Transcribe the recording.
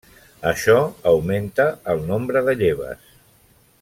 Això augmenta el nombre de lleves.